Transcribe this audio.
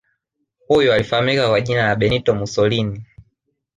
Huyu alifahamika kwa jina la Benito Musolini